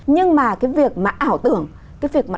nhưng mà cái việc mà ảo tưởng cái việc mà